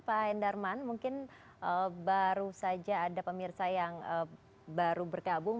pak hendarman mungkin baru saja ada pemirsa yang baru berkabung